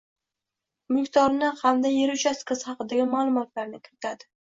mulkdornii hamda yer uchastkasi haqidagi ma’lumotlarini kiritadi.